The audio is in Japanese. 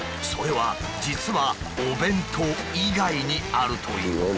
それは実はお弁当以外にあるという。